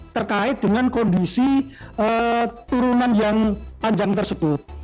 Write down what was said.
terkait dengan kondisi turunan yang panjang tersebut